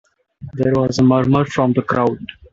There was a murmur from the crowd.